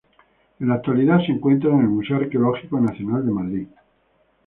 En la actualidad se encuentra en el Museo Arqueológico Nacional de Madrid.